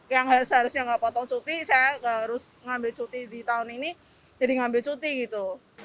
yang seharusnya nggak potong cuti saya harus ngambil cuti di tahun ini jadi ngambil cuti gitu